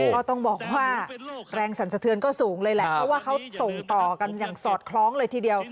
ก็ต้องบอกว่าแรงสรรสะเทือนก็สูงเลยแหละเพราะว่าเขาส่งต่อกันอย่างสอดคล้องเลยทีเดียว